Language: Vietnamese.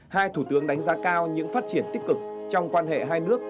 hai thủ tướng đánh giá cao những phát triển tích cực trong quan hệ hai nước